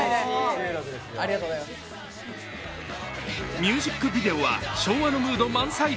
ミュージックビデオは昭和のムード満載。